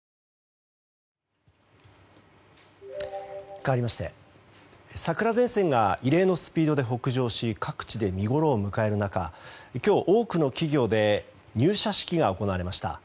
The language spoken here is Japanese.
かわりまして桜前線が異例のスピードで北上し各地で見ごろを迎える中今日、多くの企業で入社式が行われました。